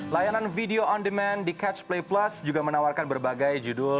layanan video on demand di catch play plus juga menawarkan berbagai judul